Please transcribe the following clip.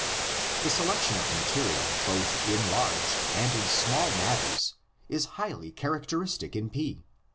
The selection of material both in large and in small matters is highly characteristic in P.